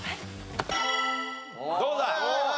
どうだ？